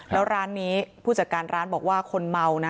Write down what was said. แล้วร้านนี้ผู้จัดการร้านบอกว่าคนเมานะ